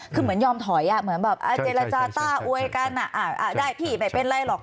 คือเหมือนยอมถอยเหมือนแบบเจรจาต้าอวยกันได้พี่ไม่เป็นไรหรอก